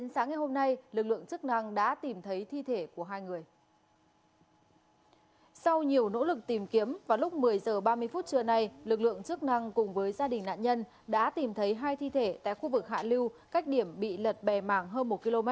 sau nhiều nỗ lực tìm kiếm vào lúc một mươi h ba mươi phút trưa nay lực lượng chức năng cùng với gia đình nạn nhân đã tìm thấy hai thi thể tại khu vực hạ lưu cách điểm bị lật bè mảng hơn một km